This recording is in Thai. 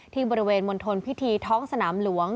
ที่บริเวณมณฑลพิธีท้องสนามหลวง